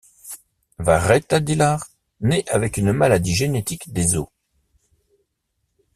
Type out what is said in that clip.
Varetta Dillard naît avec une maladie génétique des os.